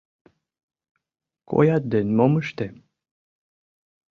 Коят ден мом ыштем?